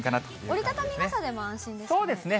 折り畳み傘でも安心ですね。